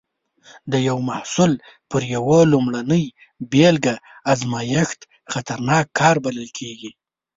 د یو محصول پر یوه لومړنۍ بېلګه ازمېښت خطرناک کار بلل کېږي.